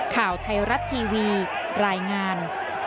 โปรดติดตามตอนต่อไป